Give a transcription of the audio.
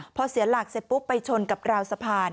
พอเสียหลักเสร็จปุ๊บไปชนกับราวสะพาน